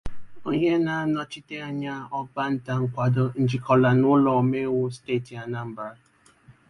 onye na-anọchite anya ọgbọ nta nkwàdo Njikọka n'ụlọ omeiwu steeti Anambra